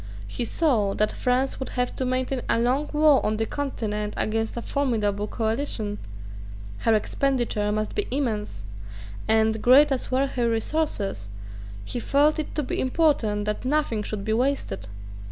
He saw that France would have to maintain a long war on the Continent against a formidable coalition: her expenditure must be immense; and, great as were her resources, he felt it to be important that nothing should be wasted.